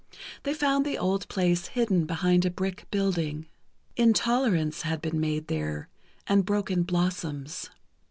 They found the old place hidden behind a brick building. "Intolerance" had been made there, and "Broken Blossoms."